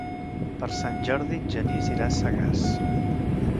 Per Sant Jordi en Genís irà a Sagàs.